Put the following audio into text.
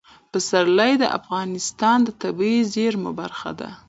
پسرلی د افغانستان د طبیعي زیرمو برخه ده.